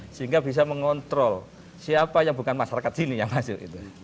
sehingga bisa mengontrol siapa yang bukan masyarakat sini yang masuk